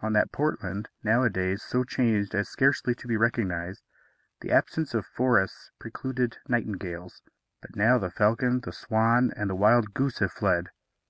On that Portland nowadays so changed as scarcely to be recognized the absence of forests precluded nightingales; but now the falcon, the swan, and the wild goose have fled.